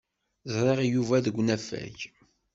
Ẓriɣ Yuba deg unafag.